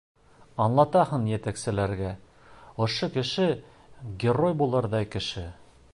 Аңлатаһың етәкселәргә: «Ошо кеше -герой булырҙай кеше»!